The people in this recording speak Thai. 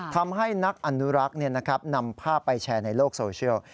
ทำให้นักอนุรักษ์นำภาพไปแชร์ในโลกโซเชียล